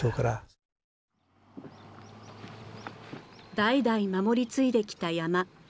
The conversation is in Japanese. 代々守り継いできた山。